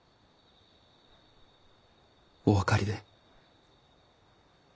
お分かりで。